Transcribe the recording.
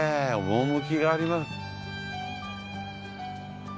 趣があります。